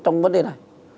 trong vấn đề này